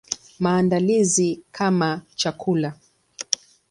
Maandalizi kama chakula.